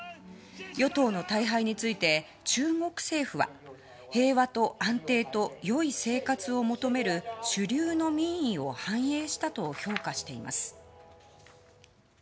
与党の大敗について中国政府は平和と安定と良い生活を求める主流の民意を反映したと評価しています。